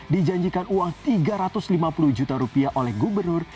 dijanjikan uang tiga ratus lima puluh juta rupiah oleh gubernur